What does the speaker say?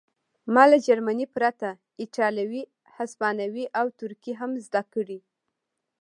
ما له جرمني پرته ایټالوي هسپانوي او ترکي هم زده کړې